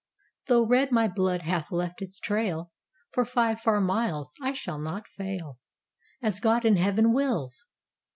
Though red my blood hath left its trail For five far miles, I shall not fail, As God in Heaven wills!